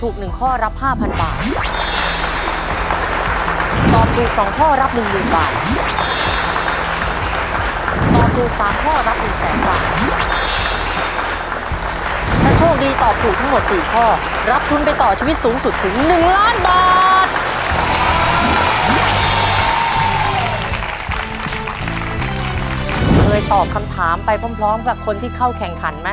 เคยตอบคำถามไปพร้อมกับคนที่เข้าแข่งขันไหม